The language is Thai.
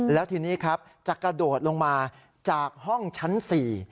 แล้วทีนี้ครับจะกระโดดลงมาจากห้องชั้น๔